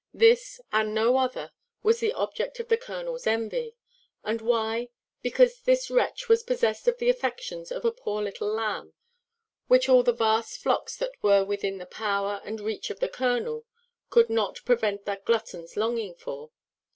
This, and no other, was the object of the colonel's envy. And why? because this wretch was possessed of the affections of a poor little lamb, which all the vast flocks that were within the power and reach of the colonel could not prevent that glutton's longing for.